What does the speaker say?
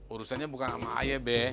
urusannya bukan sama ayah be